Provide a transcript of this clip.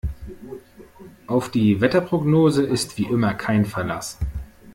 Auf die Wetterprognose ist wie immer kein Verlass.